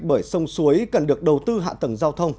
bởi sông suối cần được đầu tư hạ tầng giao thông